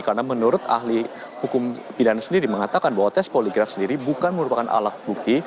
karena menurut ahli hukum pidana sendiri mengatakan bahwa tes poligraf sendiri bukan merupakan alat bukti